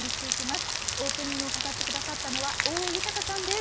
オープニングを飾って下さったのは大江裕さんです。